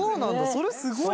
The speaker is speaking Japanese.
それすごいな！